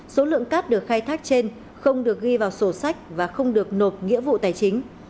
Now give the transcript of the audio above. số lượng cát được khai thác trên không được ghi vào sổ sách và không được nộp nghĩa vụ tài chính